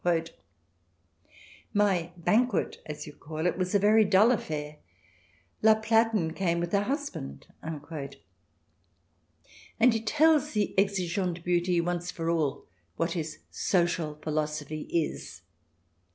*' My banquet, as you call it, was a very dull affair. ... La Platen came with her husband." And he tells the exigeante beauty, once for all, what his social philosophy is.